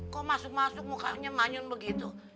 kok masuk masuk mukanya manyun begitu